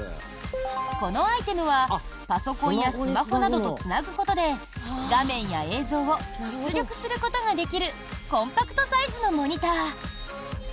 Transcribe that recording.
このアイテムはパソコンやスマホなどとつなぐことで、画面や映像を出力することができるコンパクトサイズのモニター。